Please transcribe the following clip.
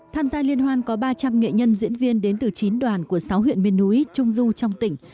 tham gia liên hoan có ba trăm linh nghệ nhân diễn viên đến từ chín đoàn của sáu huyện miền núi trung du trong tỉnh